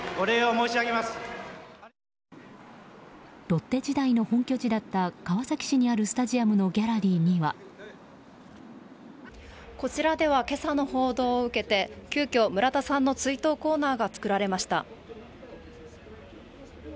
ロッテ時代の本拠地だった川崎市のスタジアムにあるこちらでは今朝の報道を受けて急きょ、村田さんの追悼コーナーが作られました。